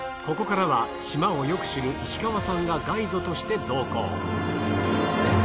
ここからは島をよく知る石川さんがガイドとして同行。